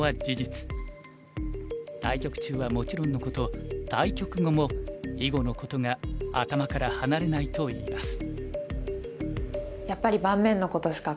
対局中はもちろんのこと対局後も囲碁のことが頭から離れないといいます。